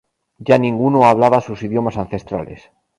Ya ninguno hablaba sus idiomas ancestrales.